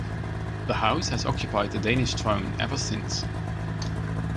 The house has occupied the Danish throne ever since.